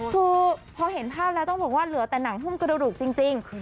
คือพอเห็นภาพแล้วต้องบอกว่าเหลือแต่หนังหุ้มกระดูกจริง